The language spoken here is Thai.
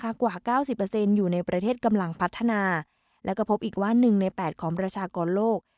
กว่าเก้าสิบเปอร์เซ็นต์อยู่ในประเทศกำลังพัฒนาแล้วก็พบอีกว่า๑ใน๘ของประชากรโลก